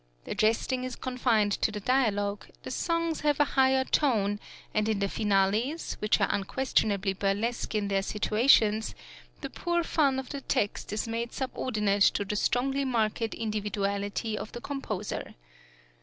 The jesting is confined to the dialogue; the songs have a higher tone, and in the finales, which are unquestionably burlesque in their situations, the poor fun of the text is made subordinate to the strongly marked individuality of the composer.